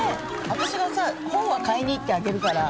私がさ本は買いに行ってあげるから。